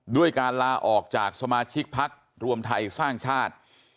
ด้วยการลาออกจากสมาชิกพักรวมไทยสร้างชาติ